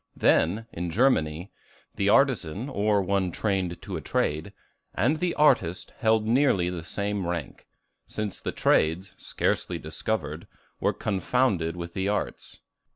Then, in Germany, the artisan, or one trained to a trade, and the artist, held nearly the same rank; since the trades, scarcely discovered, were confounded with the arts.